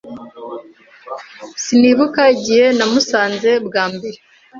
Sinibuka igihe namusanze bwa mbere.